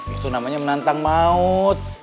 itu namanya menantang maut